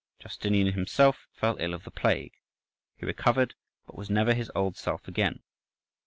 (12) Justinian himself fell ill of the plague: he recovered, but was never his old self again.